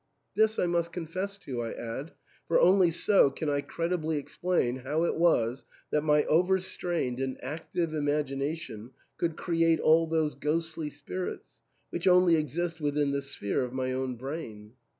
" This I must confess to," I add, " for only so can I credibly explain how it was that my over strained and active imagination could create all those ghostly spirits, which only exist within the sphere of my own brain."